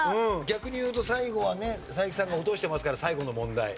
逆にいうと最後はね才木さんが落としてますから最後の問題。